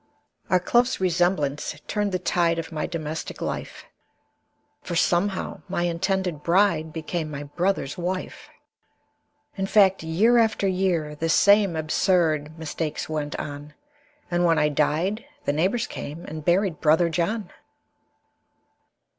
Our close resemblance turned the tide Of my domestic life, For somehow, my intended bride Became my brother's wife. In fact, year after year the same Absurd mistakes went on, And when I died, the neighbors came And buried brother John.